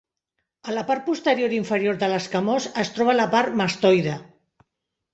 A la part posterior inferior de l'escamós es troba la part mastoide.